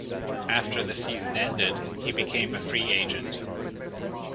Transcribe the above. After the season ended, he became a free agent.